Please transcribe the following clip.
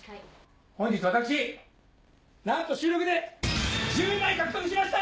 本日私なんと収録で１０枚獲得しました！